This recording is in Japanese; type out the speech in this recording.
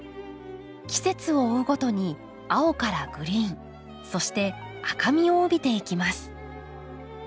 季節を追うごとに青からグリーンそして赤みを帯びていきます。